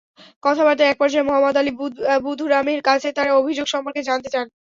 কথাবার্তার একপর্যায়ে মোহাম্মদ আলী বুধুরামের কাছে তাঁর অভিযোগ সম্পর্কে জানতে চান।